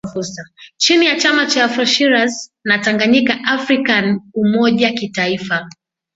chini ya chama cha Afro Shiraz na Tanganyika afrikan umoja kitaifa